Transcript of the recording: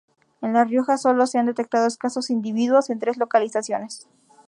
En La Rioja sólo se han detectado escasos individuos en tres localizaciones.